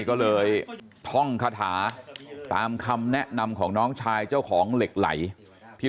ก็เลยท่องคาถาตามคำแนะนำของน้องชายเจ้าของเหล็กไหลที่